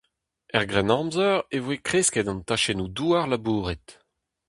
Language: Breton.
Er Grennamzer e voe kresket an tachennoù douar labouret.